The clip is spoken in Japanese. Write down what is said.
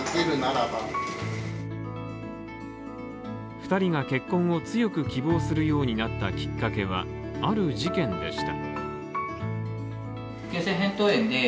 ２人が結婚を強く希望するようになったきっかけは、ある事件でした。